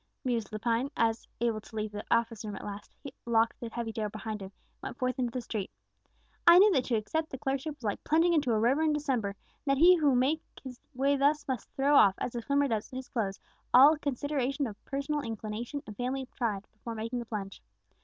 mused Lepine, as, able to leave the office room at last, he locked the heavy door behind him, and went forth into the street. "I knew that to accept the clerkship was like plunging into a river in December, and that he who would make his way thus must throw off, as a swimmer does his clothes, all consideration of personal inclination and family pride before making the plunge.